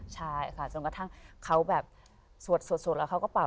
จนกระทั่งเขาแบบสวดอก็เป่า